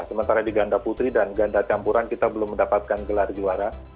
sementara di ganda putri dan ganda campuran kita belum mendapatkan gelar juara